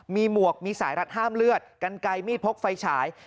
มีหมวกมีสายรัดห้ามเลือดกันไกลมีดพกไฟฉาย